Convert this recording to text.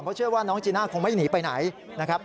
เพราะเชื่อว่าน้องจีน่าคงไม่หนีไปไหนนะครับ